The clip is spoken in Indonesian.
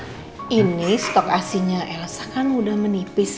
pak ini stok asinnya elsa kan udah menipis